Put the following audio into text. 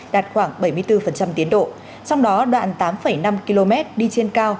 đạt khoảng bảy mươi bốn tiến độ trong đó đoạn tám năm km đi trên cao